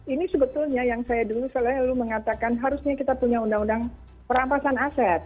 ini sebetulnya yang saya dulu selalu mengatakan harusnya kita punya undang undang perampasan aset